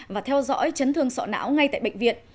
và theo dõi chấn thương sọ não ngay tại bệnh viện